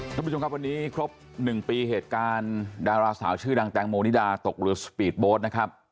ท่านผู้ชมครับวันนี้ครบ๑ปีเหตุการณ์ดาราสาวชื่อดังแตงโมนิดาตกเรือสปีดโบสต์นะครับ